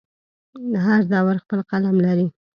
هر دور خپل قلم لري.